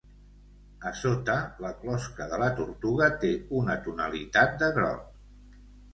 A sota, la closca de la tortuga té una tonalitat de groc.